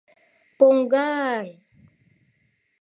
Поҥга-а-н!